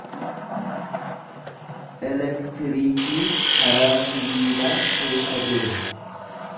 Elektiriikiin sarara sibiilaa keessa deema.